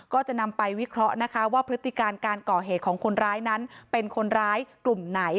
ก็จะนำไปวิเคราะห์นะคะว่าพฤติการการก่อเหตุของคนร้ายนั้นเป็นคนร้ายกลุ่มไหน